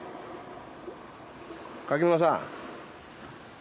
垣沼さん！